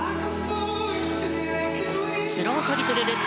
スロウトリプルルッツ。